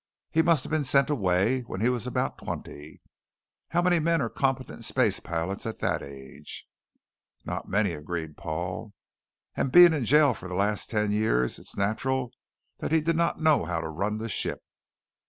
He must have been sent away when he was about twenty. How many men are competent space pilots at that age?" "Not many," agreed Paul. "And being in jail for the last ten years, it's natural that he did not know how to run the ship."